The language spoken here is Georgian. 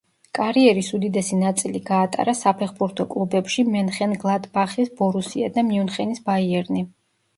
კარიერის უდიდესი ნაწილი გაატარა საფეხბურთო კლუბებში მენხენგლადბახის „ბორუსია“ და მიუნხენის „ბაიერნი“.